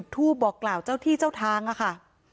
ทูปบอกกล่าวเจ้าที่เจ้าทางค่ะ